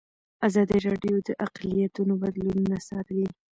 ازادي راډیو د اقلیتونه بدلونونه څارلي.